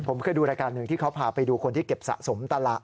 ผมเคยดูรายการหนึ่งที่เขาพาไปดูคนที่เก็บสะสมตลาด